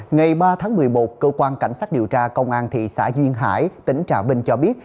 ngày ba tháng một mươi một cơ quan cảnh sát điều tra công an thị xã duyên hải tỉnh trà vinh cho biết